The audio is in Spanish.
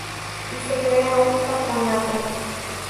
Y se crea un Patronato.